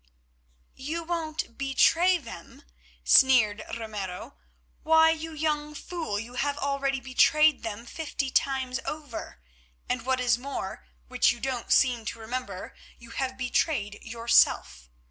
"You won't betray them," sneered Ramiro. "Why, you young fool, you have already betrayed them fifty times over, and what is more, which you don't seem to remember, you have betrayed yourself.